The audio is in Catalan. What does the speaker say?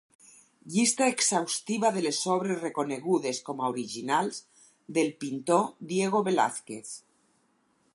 Llista exhaustiva de les obres reconegudes com a originals del pintor Diego Velázquez.